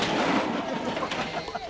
ハハハハ。